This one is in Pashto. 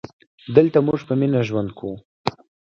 دلته مونږ په مینه ژوند کوو